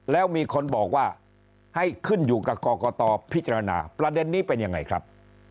แล้วมีคนบอกว่าให้ขึ้นอยู่กับกรกตพิจารณาประเด็นนี้เป็นยังไงครับ